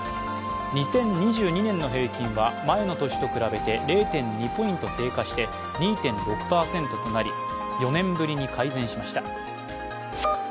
２０２２年の平均は前の年と比べて０．２ポイント低下して２．６％となり４年ぶりに改善しました。